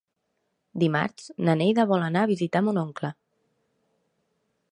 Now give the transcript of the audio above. Dimarts na Neida vol anar a visitar mon oncle.